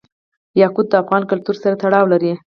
یاقوت د افغان کلتور سره تړاو لري.